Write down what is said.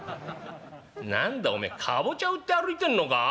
「何だおめえかぼちゃ売って歩いてんのか？」。